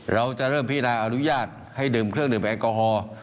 เราจะเริ่มพินาอนุญาตให้ดื่มเครื่องดื่มแอลกอฮอล์